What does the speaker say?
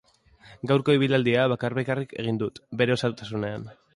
Gaurko ibilaldia bakar-bakarrik egin dut bere osotasunean.